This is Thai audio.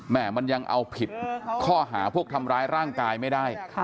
มันยังเอาผิดข้อหาพวกทำร้ายร่างกายไม่ได้